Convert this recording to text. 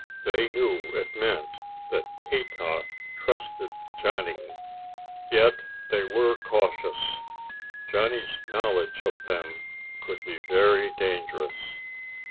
They knew it meant that Keetack trusted Johnny. Yet they were cautious. Johnny's knowledge of them could be very dangerous.